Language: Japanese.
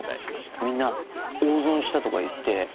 みんな「大損した」とか言って。